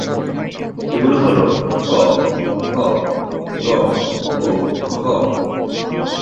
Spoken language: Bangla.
এগুলো হল: ক, খ, গ ও ঘ।